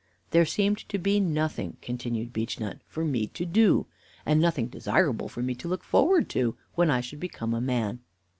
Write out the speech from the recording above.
"There seemed to be nothing," continued Beechnut, "for me to do, and nothing desirable for me to look forward to, when I should become a man.